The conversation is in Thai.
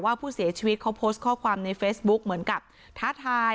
ผู้เสียชีวิตเขาโพสต์ข้อความในเฟซบุ๊คเหมือนกับท้าทาย